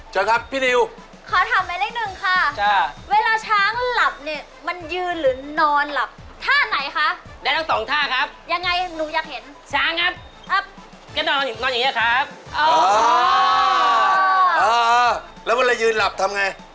ใช่หรือไชอหรือช้าง